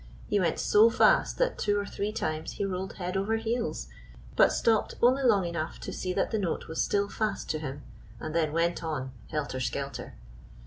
He went so fast that two or three times he rolled head over heels, but stopped only long enough to see that the note was still fast to him, and then went on helter skelter.